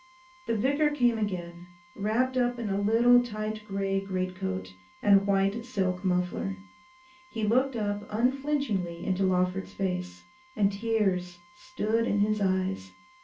The vicar came again, wrapped up in a little tight grey great coat, and a white silk muffler. He looked up unflinching into Lawford's face, and tears stood in his eyes.